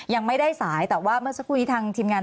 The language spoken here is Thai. ยังไม่ได้สายแต่ว่าเมื่อสักครู่นี้ทางทีมงาน